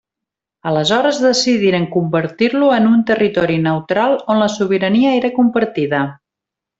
Aleshores decidiren convertir-lo en un territori neutral on la sobirania era compartida.